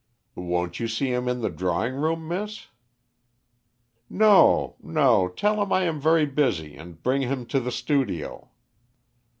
"Won't you see him in the drawing room, miss?" "No, no; tell him I am very busy, and bring him to the studio."